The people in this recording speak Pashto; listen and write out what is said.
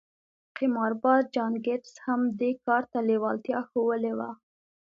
قمارباز جان ګيټس هم دې کار ته لېوالتيا ښوولې وه.